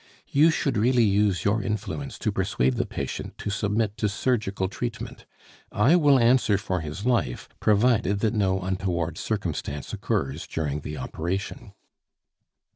You should really use your influence to persuade the patient to submit to surgical treatment; I will answer for his life, provided that no untoward circumstance occurs during the operation."